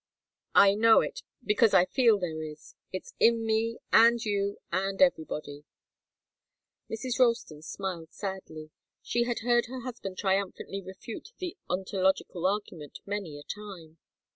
I know it, because I feel there is. It's in me, and you, and everybody." Mrs. Ralston smiled sadly. She had heard her husband triumphantly refute the ontological argument many a time.